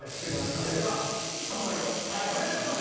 それではスタンバイをお願いいたします。